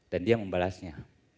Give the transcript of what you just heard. dan dia membalasnya